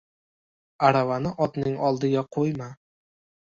• Aravani otning oldiga qo‘yma.